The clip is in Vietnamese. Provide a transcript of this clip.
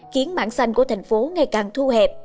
khiến mảng xanh của thành phố ngày càng thu hẹp